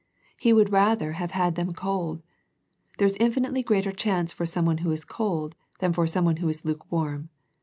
He would rather have had them cold. There is infinitely greater chance for someone who is cold than for someone who is lukewarm.